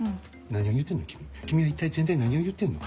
何を言うてんの君君は一体全体何を言うてんの。